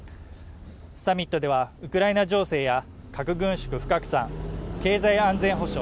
サミットでは、ウクライナ情勢や核軍縮・不拡散経済安全保障